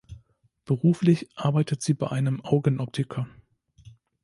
Beruflich arbeitet sie bei einem Augenoptiker.